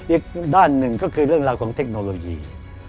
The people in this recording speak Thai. อีกด้านหนึ่งก็คือเรื่องราวของเทคโนโลยี